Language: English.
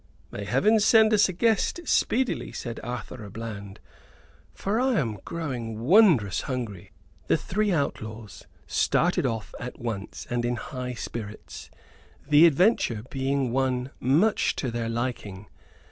"May Heaven send us a guest speedily," said Arthur à Bland, "for I am growing wondrous hungry." The three outlaws started off at once and in high spirits, the adventure being one much to their liking.